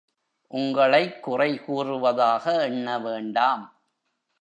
உங்களைக் குறை கூறுவதாக எண்ணவேண்டாம்.